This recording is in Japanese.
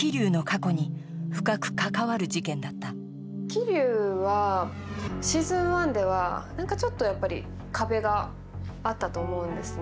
桐生はシーズン１ではちょっとやっぱり壁があったと思うんですね。